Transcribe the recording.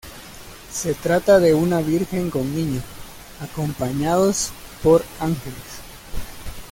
Se trata de una Virgen con Niño, acompañados por ángeles.